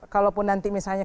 kalaupun nanti misalnya